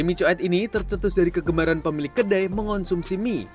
mie cuek ini tercetus dari kegemaran pemilik kedai mengonsumsi mie